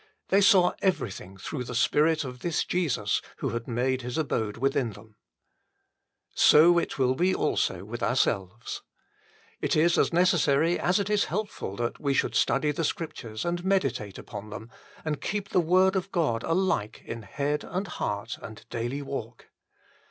They saw everything through the Spirit of this Jesus who had made His abode within them. So will it be also with ourselves. It is as necessary as it is helpful that we should study the Scriptures and meditate upon them, and keep the word of God alike in head and heart 30 THE FULL BLESSING OF PENTECOST and daily walk.